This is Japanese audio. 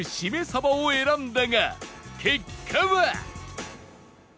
さばを選んだが結果は